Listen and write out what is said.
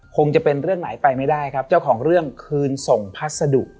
คงจะเป็นเรื่องไหนไปไม่ได้ครับเจ้าของเรื่องคืนส่งพัสดุ